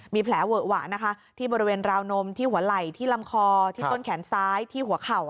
มีแผลเวอะหวะนะคะที่บริเวณราวนมที่หัวไหล่ที่ลำคอที่ต้นแขนซ้ายที่หัวเข่า